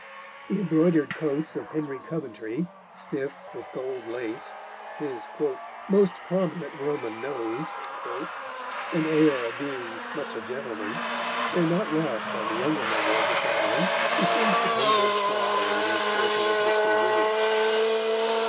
The embroidered coats of Henry Coventry, stiff with gold lace, his "most prominent Roman nose" and air of being much a gentleman, were not lost on the younger member of the family, who seems to paint him slyly in his portrait of Mr. Williams.